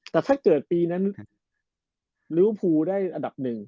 แต่ถ้าเจิดปีนั้นรีวฟูได้ระดับหนึ่ง